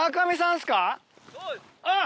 あっ！